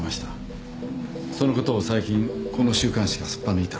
そのことを最近この週刊誌がすっぱ抜いた。